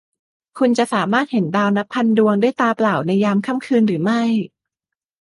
คุณจะสามารถเห็นดาวนับพันดวงด้วยตาเปล่าในยามค่ำคืนหรือไม่ ?